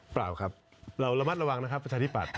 เปล่าครับเราระมัดระวังนะครับประชาธิปัตย